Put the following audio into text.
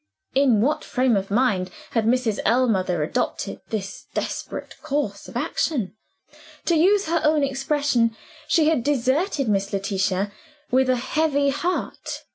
In what frame of mind had Mrs. Ellmother adopted this desperate course of action? To use her own expression, she had deserted Miss Letitia "with a heavy heart."